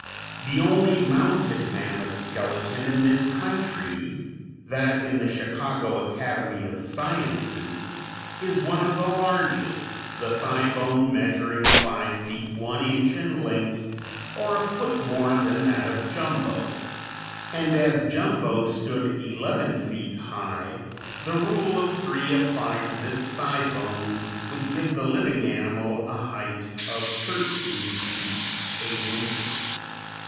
The only mounted mammoth skeleton in this country, that in the Chicago Academy of Sciences, is one of the largest, the thigh bone measuring five feet one inch in length, or a foot more than that of Jumbo; and as Jumbo stood eleven feet high, the rule of three applied to this thigh bone would give the living animal a height of thirteen feet eight inches.